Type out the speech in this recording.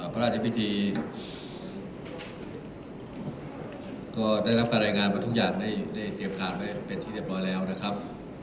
พระราชพิธีก็ได้รับการรายงานว่าทุกอย่างได้เตรียมการไว้เป็นที่เรียบร้อยแล้วนะครับ